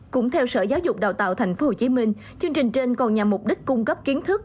cũng theo sở giáo dục đào tạo tp hcm chương trình trên còn nhằm mục đích cung cấp kiến thức